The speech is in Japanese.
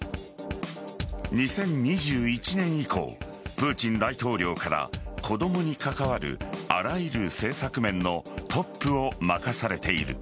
２０２１年以降プーチン大統領から子供に関わるあらゆる政策面のトップを任されている。